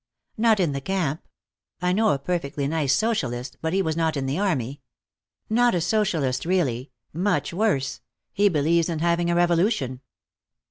"Not in the camp. I know a perfectly nice Socialist, but he was not in the army. Not a Socialist, really. Much worse. He believes in having a revolution."